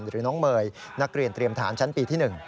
หรือน้องเมย์นักเรียนเตรียมทหารชั้นปีที่๑